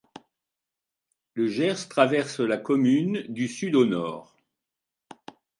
Le Gers traverse la commune du sud au nord.